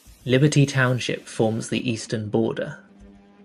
Liberty Township forms the eastern border.